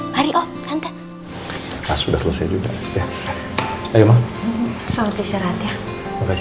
mari om santai sudah selesai juga ya ayo maaf soal diserat ya makasih ya